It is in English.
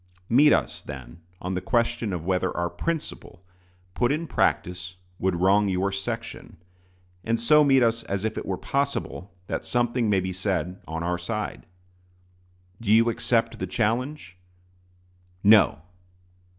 Meet us, then, on the question of whether our principle, put in practice, would wrong your section; and so meet us as if it were possible that something may be said on our side. Do you accept the challenge? No!